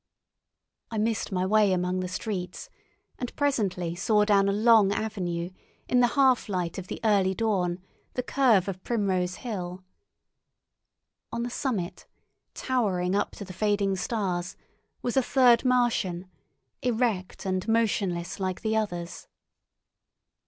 I missed my way among the streets, and presently saw down a long avenue, in the half light of the early dawn, the curve of Primrose Hill. On the summit, towering up to the fading stars, was a third Martian, erect and motionless like the others.